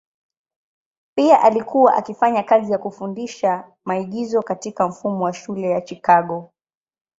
Pia alikuwa akifanya kazi ya kufundisha maigizo katika mfumo wa shule ya Chicago.